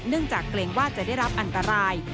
จากเกรงว่าจะได้รับอันตราย